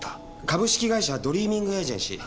株式会社ドリーミングエージェンシー。